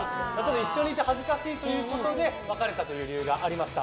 一緒にいて恥ずかしいということで別れたという理由がありました。